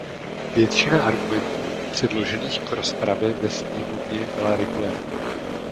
Většina argumentů předložených k rozpravě ve sněmovně byla regulérní.